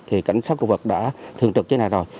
thì cảnh sát khu vực đã thường trực như thế này rồi